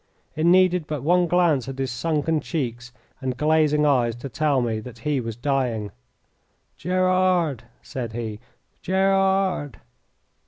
It needed but one glance at his sunken cheeks and glazing eyes to tell me that he was dying. "Gerard!" said he; "Gerard!"